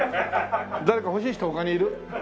誰か欲しい人他にいる？